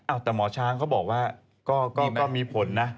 อ้าวแต่หมอช้างก็บอกว่าก็มีผลนะ